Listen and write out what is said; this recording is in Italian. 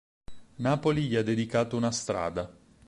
Napoli gli ha dedicato una strada.